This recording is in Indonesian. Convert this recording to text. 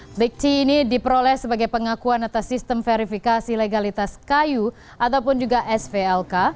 flegt ini diperoleh sebagai pengakuan atas sistem verifikasi legalitas kayu ataupun juga svlk